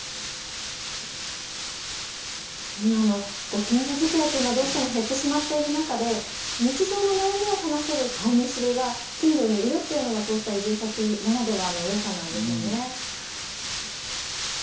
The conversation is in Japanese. ご近所づきあいって今どうしても減ってしまっている中で日常の悩みを話せる顔見知りが近所にいるというのがこうした移住先ならではのよさなんでしょうね。